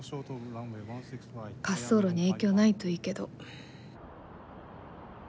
滑走路に影響ないといいけど。